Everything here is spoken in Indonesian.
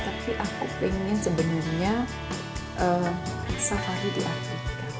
tapi aku pengen sebenarnya safari di afrika